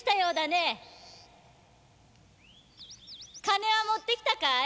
・金は持って来たかい？